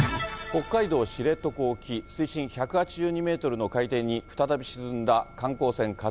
北海道知床沖、水深１８２メートルの海底に再び沈んだ観光船、ＫＡＺＵＩ。